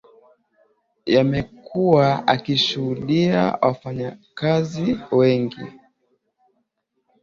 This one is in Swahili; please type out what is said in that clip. yamekuwa akishuhudia wafanyakazi wengi